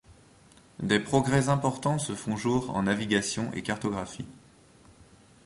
Des progrès importants se font jour en navigation et cartographie.